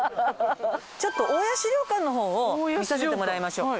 ちょっと大谷資料館の方を見させてもらいましょう。